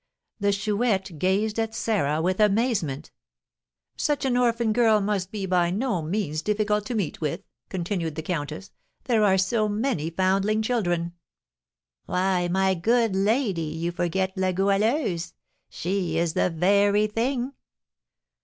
The Chouette gazed at Sarah with amazement. "Such an orphan girl must be by no means difficult to meet with," continued the countess; "there are so many foundling children!" "Why, my good lady, you forget La Goualeuse. She is the very thing."